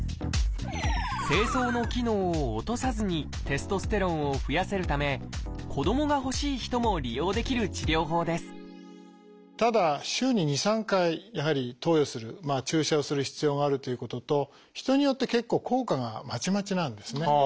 精巣の機能を落とさずにテストステロンを増やせるため子どもが欲しい人も利用できる治療法ですただ週に２３回やはり投与する注射をする必要があるということと人によって結構効果がまちまちなんですね。